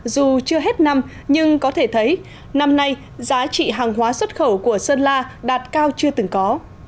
dù chưa hết năm nhưng có thể thấy năm nay giá trị hàng hóa xuất khẩu của sơn la đạt cao chưa từng có